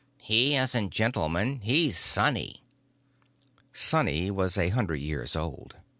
"He isn't Gentleman. He's Sonny." Sonny was a hundred years old.